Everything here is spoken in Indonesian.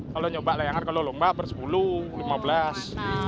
kalau nyoba layangan kalau lomba bersepuluh lima belas